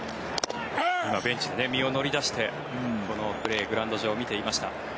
今、ベンチで身を乗り出してこのプレー、グラウンド上を見ていました。